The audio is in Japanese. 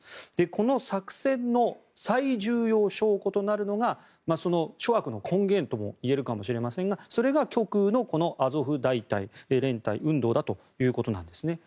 この作戦の最重要証拠となるのが諸悪の根源ともいえるかもしれませんがそれが極右のアゾフ大隊だということなんですね。